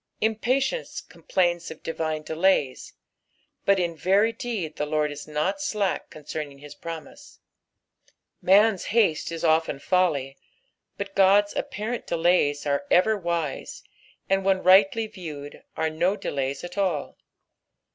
Impatience complains of divine delays, but in very deed the Lord is not slack concerning his promise. Han's haste is often folly, but God's apparent _delays are ever wise ; and, when rightly viewed, are no delays at all.